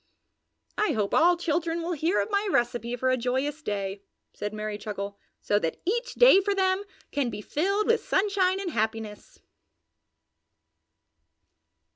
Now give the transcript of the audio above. "I hope all children will hear of my recipe for a joyous day," said Merry Chuckle, "so that each day for them can be filled with sunshine and happiness!"